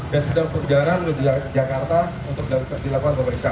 dan sudah berjalan ke jakarta untuk dilakukan pemeriksaan